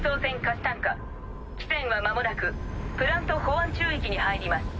貴船は間もなくプラント保安宙域に入ります。